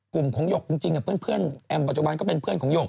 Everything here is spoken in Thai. กลุ่มของหยกจริงกับเพื่อนแอมปัจจุบันก็เป็นเพื่อนของหยก